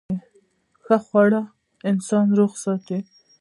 ښه خواړه انسان روغ ساتي.